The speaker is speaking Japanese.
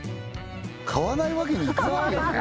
買わないわけにいかないよね